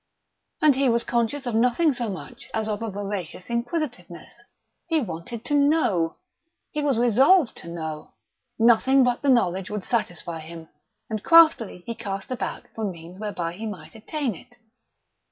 And he was conscious of nothing so much as of a voracious inquisitiveness. He wanted to know. He was resolved to know. Nothing but the knowledge would satisfy him; and craftily he cast about for means whereby he might attain it.